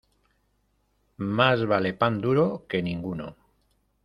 Más vale pan duro que ninguno.